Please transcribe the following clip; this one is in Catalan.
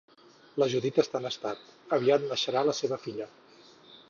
La Judit està en estat, aviat neixerà la seva filla